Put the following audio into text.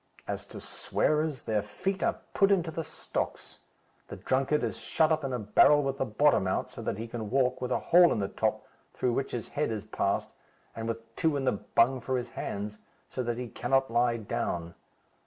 As to swearers, their feet are put into the stocks. The drunkard is shut up in a barrel with the bottom out, so that he can walk, with a hole in the top, through which his head is passed, and with two in the bung for his hands, so that he cannot lie down.